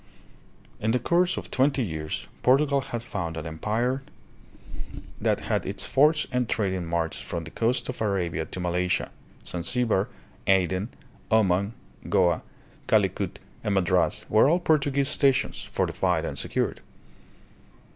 In the course of twenty years Portugal had founded an empire that had its forts and trading marts from the coast of Arabia to Malaysia. Zanzibar, Aden, Oman, Goa, Calicut, .and Madras were all Portuguese stations, fortified and se cured.